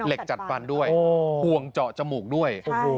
จัดฟันด้วยห่วงเจาะจมูกด้วย